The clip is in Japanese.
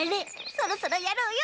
そろそろやろうよ！